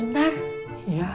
kenapa abah ninggalin wahyu